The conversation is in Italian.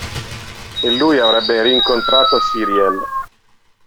E lui avrebbe rincontrato Syriel.